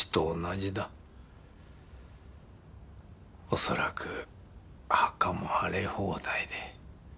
おそらく墓も荒れ放題で。